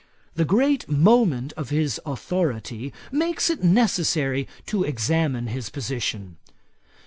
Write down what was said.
The great moment of his authority makes it necessary to examine his position.